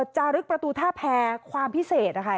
จารึกประตูท่าแพรความพิเศษนะคะ